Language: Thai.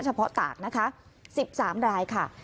ตากนะคะ๑๓รายค่ะ